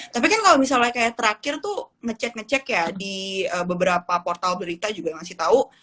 tapi kan kalau misalnya kayak terakhir tuh ngecek ngecek ya di beberapa portal berita juga ngasih tau